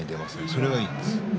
それがいいです。